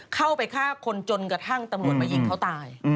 เข้าไปฆ่าคนจนกระทั่งตำรวจมายิงเขาตาย